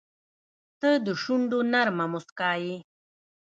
• ته د شونډو نرمه موسکا یې.